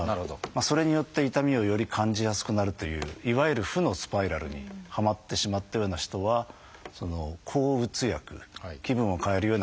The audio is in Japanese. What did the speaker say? それによって痛みをより感じやすくなるといういわゆる負のスパイラルにはまってしまったような人は抗うつ薬気分を変えるような薬。